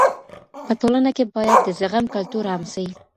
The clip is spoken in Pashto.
په ټولنه کي بايد د زغم کلتور عام سي.